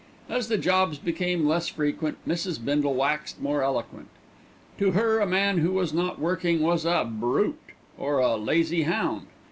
As the jobs became less frequent Mrs. Bindle waxed more eloquent. To her a man who was not working was "a brute" or a "lazy hound."